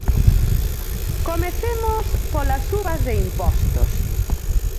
Comecemos polas subas de impostos.